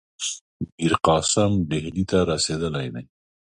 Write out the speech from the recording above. میرقاسم ډهلي ته رسېدلی دی.